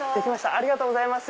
ありがとうございます。